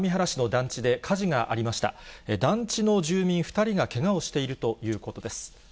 団地の住民２人がけがをしているということです。